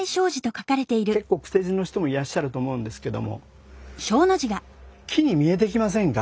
結構癖字の人もいらっしゃると思うんですけども「木」に見えてきませんか？